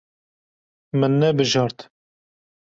Min nebijart.